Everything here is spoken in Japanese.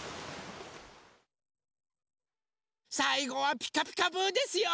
さいごは「ピカピカブ！」ですよ。